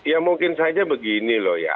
ya mungkin saja begini loh ya